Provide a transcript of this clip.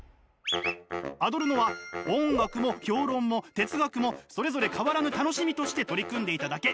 アドルノは音楽も評論も哲学もそれぞれ変わらぬ楽しみとして取り組んでいただけ。